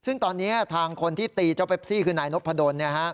ซึ่งตอนนี้ทางคนที่ตีเจ้าเปปซี่คือนายนพดล